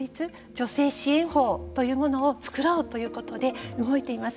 女性支援法というものを作ろうということで動いています。